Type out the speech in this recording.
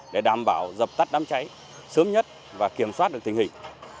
để đảm bảo dập tắt đám cháy sớm nhất và kiểm soát được tình hình